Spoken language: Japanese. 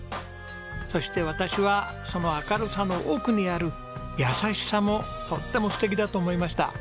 そして私はその明るさの奥にある優しさもとっても素敵だと思いました。